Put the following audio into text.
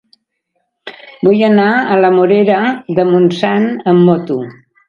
Vull anar a la Morera de Montsant amb moto.